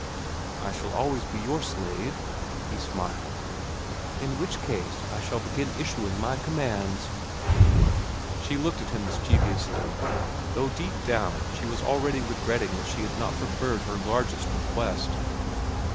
"I shall always be your slave," he smiled. "In which case, I shall begin issuing my commands." She looked at him mischievously, though deep down she was already regretting that she had not preferred her largest request.